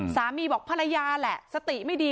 สามีบอกภรรยาแหละสติไม่ดี